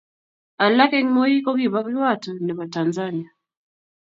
alak eng mweik ko kiba kiwato nebo tanzania